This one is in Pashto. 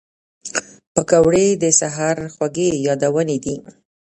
پکورې د سهر خوږې یادونې دي